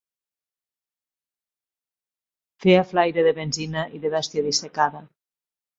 Feia flaire de benzina i de bestia dissecada